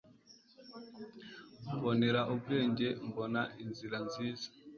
Nkubonera ubwenge Mbona inzira nziza.